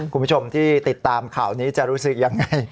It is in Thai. คุณผู้ชมที่ติดตามข่าวนี้จะรู้สึกยังไง